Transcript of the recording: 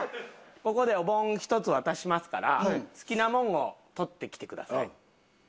ここでおぼん１つ渡しますから好きなもんを取ってきてください。